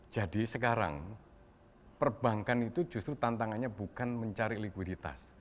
jadi sekarang perbankan itu justru tantangannya bukan mencari likuiditas